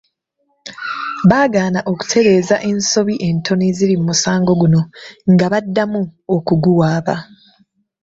Baagaana okutereeza ensobi entono eziri mu musango guno nga baddamu okuguwaaba.